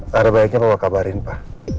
pada baiknya papa kabarin pa